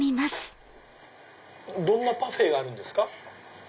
どんなパフェがあるんですか？